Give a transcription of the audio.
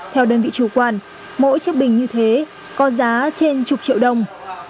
theo đơn vị chủ quản mỗi chiếc bình như thế có giá trên chục triệu đồng